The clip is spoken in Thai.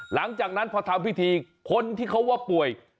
หลังจากนั้นพอทำพิธีคนที่เขาว่าป่วย